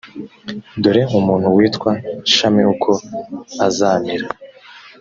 dore umuntu witwa shami uko azamera